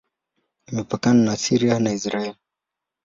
Imepakana na Syria na Israel.